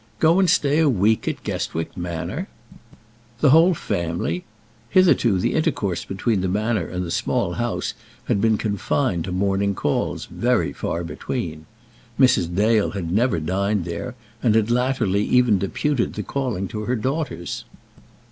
Go and stay a week at Guestwick Manor! The whole family! Hitherto the intercourse between the Manor and the Small House had been confined to morning calls, very far between. Mrs. Dale had never dined there, and had latterly even deputed the calling to her daughters.